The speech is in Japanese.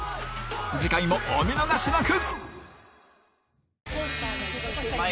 次回もお見逃しなく！